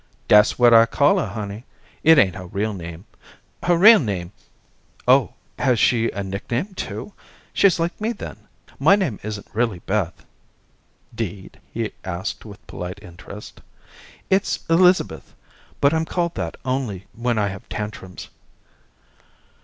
"Dat's what I calls her, honey. It ain't her real name. Her real name " "Oh, has she a nickname, too? She's like me then. My name isn't really Beth." "'Deed?" he asked with polite interest. "It's Elizabeth, but I'm called that only when I have tantrums."